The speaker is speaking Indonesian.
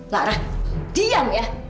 lara diam ya